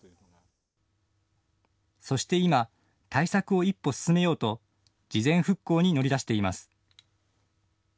そして今、対策を一歩進めようと事前復興に乗り出しています。